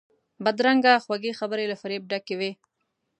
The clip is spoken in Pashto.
بدرنګه خوږې خبرې له فریب ډکې وي